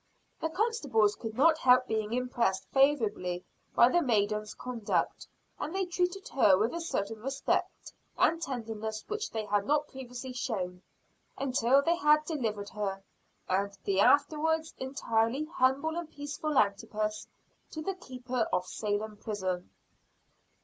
The constables could not help being impressed favorably by the maiden's conduct; and they treated her with a certain respect and tenderness which they had not previously shown, until they had delivered her, and the afterwards entirely humble and peaceful Antipas, to the keeper of Salem prison.